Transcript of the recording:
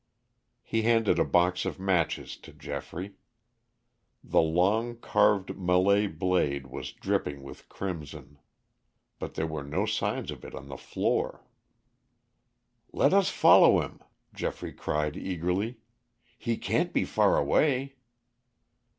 He handed a box of matches to Geoffrey. The long, carved Malay blade was dripping with crimson. But there were no signs of it on the floor. "Let us follow him," Geoffrey cried eagerly. "He can't be far away!"